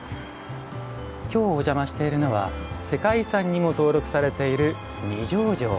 きょう、お邪魔しているのは世界遺産にも登録されている二条城。